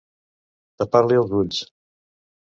Tapar-li els ulls.